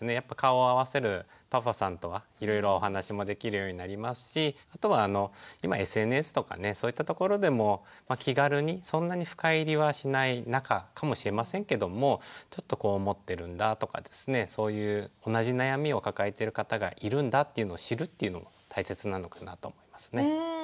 やっぱり顔を合わせるパパさんとはいろいろお話もできるようになりますしあとは今ＳＮＳとかねそういったところでも気軽にそんなに深入りはしない仲かもしれませんけども「ちょっとこう思ってるんだ」とかですねそういう同じ悩みを抱えてる方がいるんだっていうのを知るっていうのも大切なのかなと思いますね。